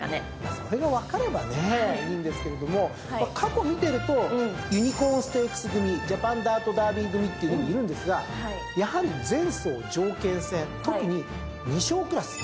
それが分かればねいいですけれども過去見てるとユニコーンステークス組ジャパンダートダービー組っていうのもいるんですがやはり前走条件戦特に２勝クラス。